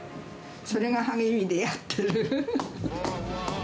それが励みでやってる。